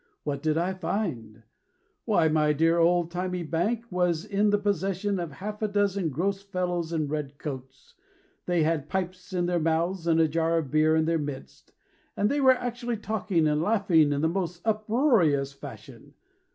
What did I find? Why, my dear old thymy bank Was in the possession Of half a dozen gross fellows in red coats, Thy had pipes in their mouths, And a jar of beer in their midst, And they were actually talking and laughing In the most uproarious fashion.